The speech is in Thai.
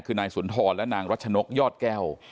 คือนายสุนทรและนางรัชนกยอดแก้ว